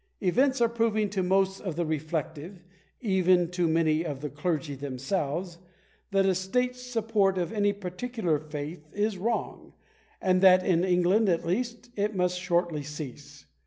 Events are proving to most of the reflective — even to many of the clergy themselves — that a state sup port of any particular faith is wrong, and that in England at least, it must shortly cease.